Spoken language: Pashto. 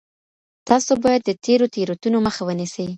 تاسو بايد د تېرو تېروتنو مخه ونيسئ.